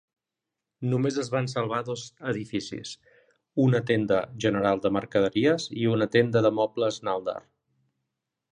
Només es van salvar dos edificis, una tenda general de mercaderies i la tenda de mobles Nalder.